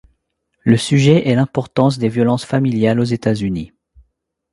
Le sujet est l'importance des violences familiales aux États-Unis.